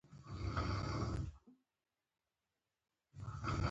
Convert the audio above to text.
نورستان د افغانستان په هره برخه کې په اسانۍ موندل کېږي.